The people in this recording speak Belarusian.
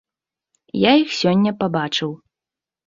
Я іх сёння пабачыў.